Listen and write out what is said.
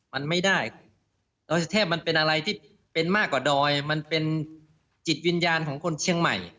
มันไม่ได้ดอยสุเทพมันเป็นอะไรที่เป็นมากกว่าดอยมันเป็นจิตวิญญาณของคนเชียงใหม่